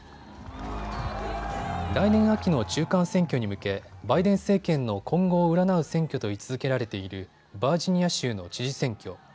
来年秋の中間選挙に向け、バイデン政権の今後を占う選挙と位置づけられているバージニア州の知事選挙。